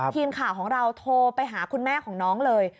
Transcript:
ทีมข่าวของเราโทรไปหาคุณแม่ของน้องเลย